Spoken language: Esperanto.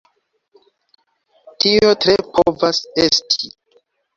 Tio tre povas esti.